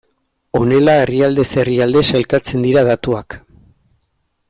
Honela herrialdez herrialde sailkatzen dira datuak.